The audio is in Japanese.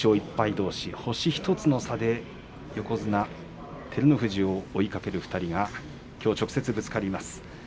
どうし星１つの差で横綱照ノ富士を追いかける２人がきょう直接ぶつかります。